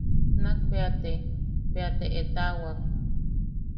Nak bea te... bea te etaʼawak.